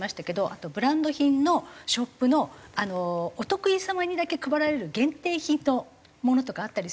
あとブランド品のショップのお得意様にだけ配られる限定品のものとかあったりするんですよね。